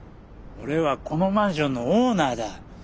俺はこのマンションのオーナーだ。